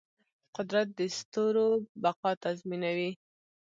قدرت د ستورو بقا تضمینوي.